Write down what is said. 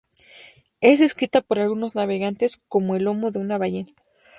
Es descrita por algunos navegantes como el lomo de una ballena.